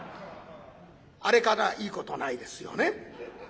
あれからいいことないですよね。